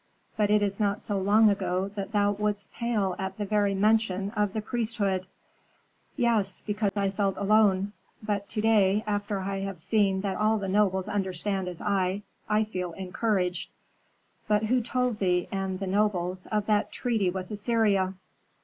"But it is not so long ago that thou wouldst pale at the very mention of the priesthood." "Yes, because I felt alone. But to day, after I have seen that all the nobles understand as I, I feel encouraged." "But who told thee and the nobles of that treaty with Assyria?"